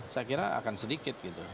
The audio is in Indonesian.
saya kira akan sedikit gitu